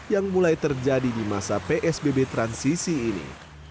yang mulai terjadi di masa psbb transisi ini